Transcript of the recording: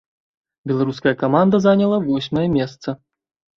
Беларуская каманда заняла восьмае месца.